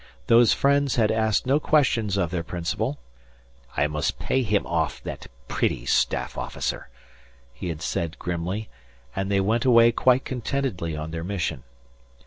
Those friends had asked no questions of their principal. "I must pay him off, that pretty staff officer," he had said grimly, and they went away quite contentedly on their mission.